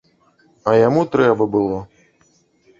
А яму трэба было.